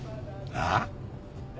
ああ？